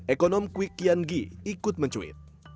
ekonom kwi kian gi ikut mencuit